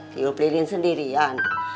tiup lilin sendirian